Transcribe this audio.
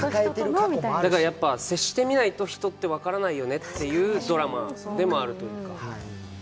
接してみないと人って分からないよねっていうドラマでもあるというか。